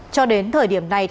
cho đến thời điểm này